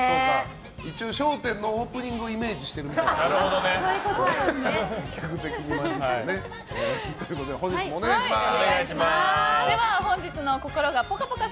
一応、「笑点」のオープニングをイメージしていると。ということで、本日もお願いします。